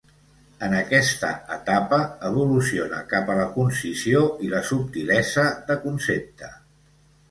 En aquesta etapa evoluciona cap a la concisió i la subtilesa de concepte.